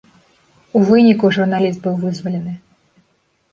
У выніку, журналіст быў вызвалены.